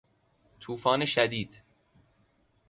توفان شدید